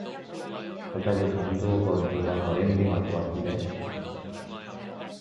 도착해서 한 두어 번 돌다가 랜딩할 것 같은데?